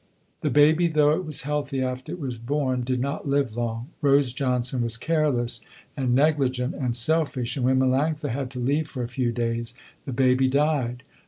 The baby though it was healthy after it was born did not live long. Rose Johnson was careless and negligent and selfish and when Melanctha had to leave for a few days the baby died.